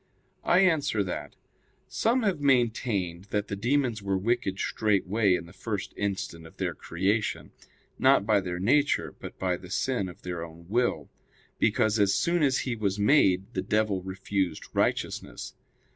I answer that, Some have maintained that the demons were wicked straightway in the first instant of their creation; not by their nature, but by the sin of their own will; because, as soon as he was made, the devil refused righteousness.